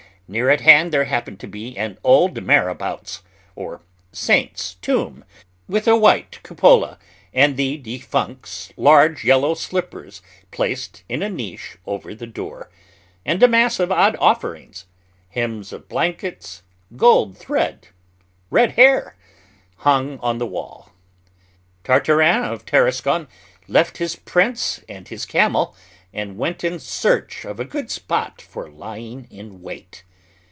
Near at hand there happened to be an old marabout's, or saint's, tomb, with a white cupola, and the defunct's large yellow slippers placed in a niche over the door, and a mass of odd offerings hems of blankets, gold thread, red hair hung on the wall. Tartarin of Tarascon left his prince and his camel and went in search of a good spot for lying in wait.